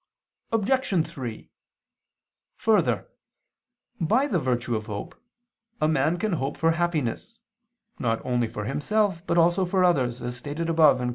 Obj. 3: Further, by the virtue of hope, a man can hope for happiness, not only for himself, but also for others, as stated above (Q.